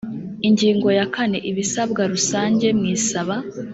ingingo ya kane ibisabwa rusange mu isaba